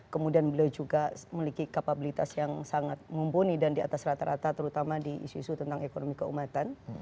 kemudian beliau juga memiliki kapabilitas yang sangat mumpuni dan di atas rata rata terutama di isu isu tentang ekonomi keumatan